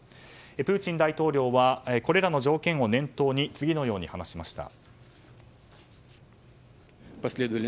プーチン大統領はこれらの条件を念頭に次のように話しました。